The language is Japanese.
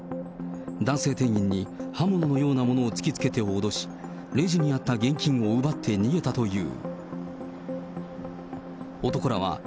男性店員に刃物のようなものを突きつけ脅し、レジにあった現金を奪って逃げたという。